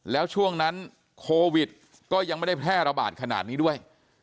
แล้วช่วงนั้นโควิดก็ยังไม่ได้แพร่ระบาดขนาดนี้ด้วย